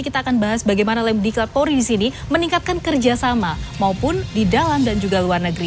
kita akan bahas bagaimana lem diklat polri di sini meningkatkan kerjasama maupun di dalam dan juga luar negeri